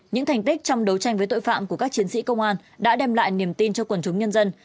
những thành tích trong đấu tranh với tội phạm của các chiến sĩ công an đã đem lại niềm tin cho quần chúng nhân dân